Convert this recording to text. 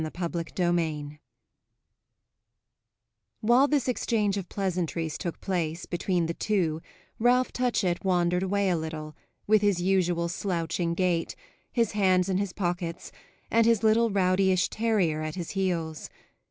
CHAPTER II While this exchange of pleasantries took place between the two Ralph Touchett wandered away a little, with his usual slouching gait, his hands in his pockets and his little rowdyish terrier at his heels.